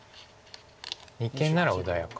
二間なら穏やか。